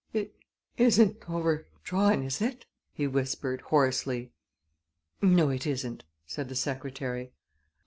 "It it isn't overdrawn, is it?" he whispered, hoarsely. "No, it isn't," said the secretary.